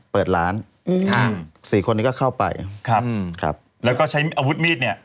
เปิดร้านอืมค่ะสี่คนนี้ก็เข้าไปครับครับแล้วก็ใช้อาวุธมีดเนี่ย